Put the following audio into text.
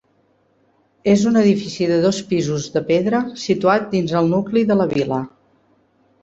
És un edifici de dos pisos de pedra, situat dins el nucli de la vila.